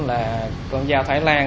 là con dao thái lan